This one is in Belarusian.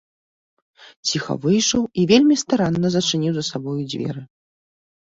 Ціха выйшаў і вельмі старанна зачыніў за сабою дзверы.